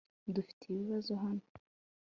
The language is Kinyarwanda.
dufite ibibazo hano